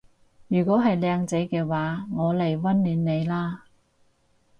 如果係靚仔嘅話我嚟溫暖你啦